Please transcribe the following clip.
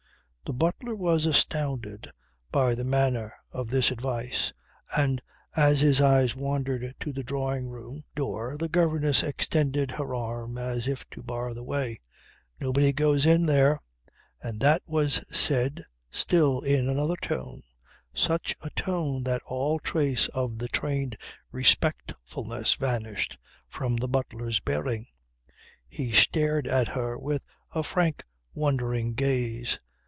The butler was astounded by the manner of this advice, and as his eyes wandered to the drawing room door the governess extended her arm as if to bar the way. "Nobody goes in there." And that was said still in another tone, such a tone that all trace of the trained respectfulness vanished from the butler's bearing. He stared at her with a frank wondering gaze.